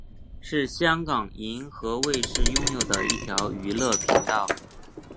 是香港银河卫视拥有的一条娱乐频道。